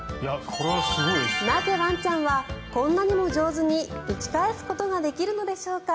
なぜ、ワンちゃんはこんなにも上手に打ち返すことができるのでしょうか。